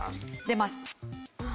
出ます。